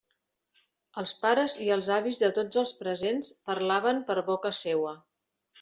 Els pares i els avis de tots els presents parlaven per boca seua.